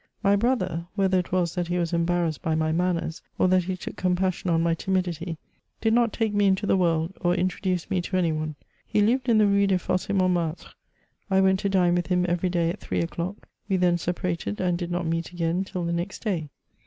My brother, whether it was that he was embarrassed by my manners, or that he took compassion on my timidity, did not take me into the world, or introduce me to any one. He lived in the Eue des Foss^ Montmartre. I went to dine with him every day at three o'clock ; we then separated, and did not meet again till the next day.